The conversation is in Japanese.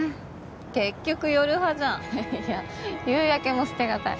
結局夜派じゃん。ははっいや夕焼けも捨て難い。